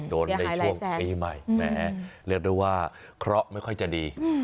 ในช่วงปีใหม่แหมเรียกได้ว่าเคราะห์ไม่ค่อยจะดี